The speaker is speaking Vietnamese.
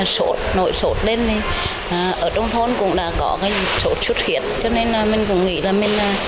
số xuất huyết cho nên mình cũng nghĩ là mình